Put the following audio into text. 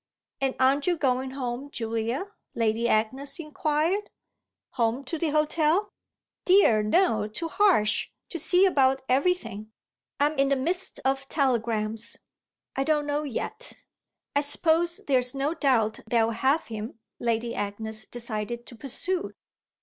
"And aren't you going home, Julia?" Lady Agnes inquired. "Home to the hotel?" "Dear, no, to Harsh to see about everything." "I'm in the midst of telegrams. I don't know yet." "I suppose there's no doubt they'll have him," Lady Agnes decided to pursue.